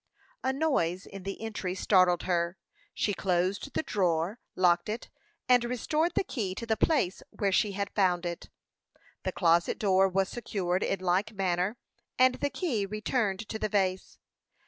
A noise in the entry startled her. She closed the drawer, locked it, and restored the key to the place where she had found it. The closet door was secured in like manner, and the key returned to the vase.